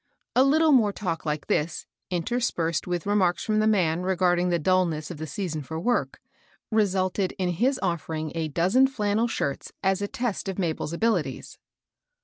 A little more talk like this, interspersed with remarks from the man regarding the dulness of the season for work, resulted in his offering a dozen flannel shirts as a test of Mabel's abili ties.